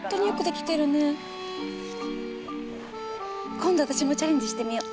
今度私もチャレンジしてみよ。